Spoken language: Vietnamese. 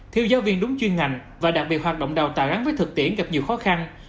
thiếu giáo viên đúng chuyên ngành và đặc biệt hoạt động đào tạo gắn với thực tiễn gặp nhiều khó khăn